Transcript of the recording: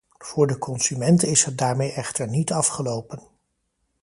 Voor de consument is het daarmee echter niet afgelopen.